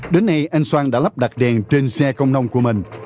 đến nay anh xoan đã lắp đặt đèn trên xe công nông của mình